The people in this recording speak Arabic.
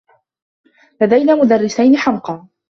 لدينا مدرّسين حمقى.